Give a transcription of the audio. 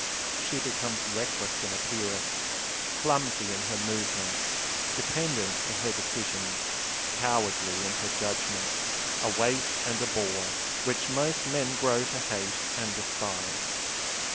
She becomes reckless in appearance, clumsy in her movements, dependent in her decisions, cowardly in her judgment, a weight and a bore, which most men grow to hate and despise.